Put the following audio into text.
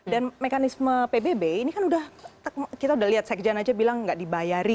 dan mekanisme pbb ini kan sudah kita lihat sekjen saja bilang tidak dibayari